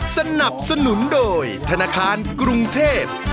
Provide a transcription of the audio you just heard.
สนับสนุนโดยธนาคารกรุงเทพ